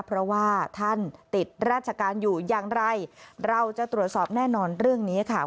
เพราะว่าท่านติดราชการอยู่อย่างไรเราจะตรวจสอบแน่นอนเรื่องนี้ค่ะ